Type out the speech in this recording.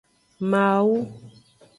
Mawu.